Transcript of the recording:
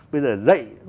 bây giờ dạy